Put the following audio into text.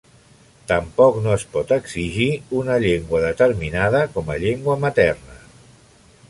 Tampoc no es pot exigir una llengua determinada com a llengua materna.